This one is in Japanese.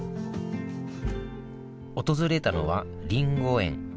訪れたのはりんご園。